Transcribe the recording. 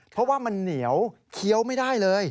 เพราะว่ามันเหนียวเคี้ยวไม่ได้เลย